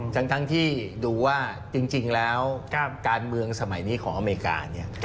ทั้งที่ดูว่าจริงแล้วการเมืองสมัยนี้ของอเมริกา